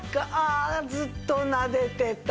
ああずっとなでてたい。